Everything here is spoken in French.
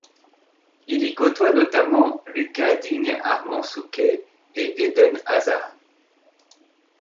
Il y côtoie notamment Lucas Digne Arnaud Souquet et Eden Hazard.